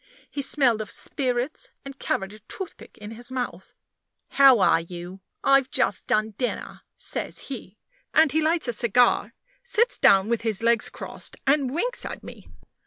He smelled of spirits, and carried a toothpick in his mouth. "How are you? I've just done dinner," says he; and he lights a cigar, sits down with his legs crossed, and winks at me.